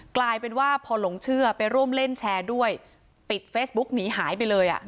กลายเป็นว่าพอหลงเชื่อไปร่วมเล่นแชร์ด้วยปิดเฟซบุ๊กหนีหายไปเลยอ่ะ